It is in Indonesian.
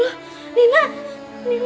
tarmihin di jarum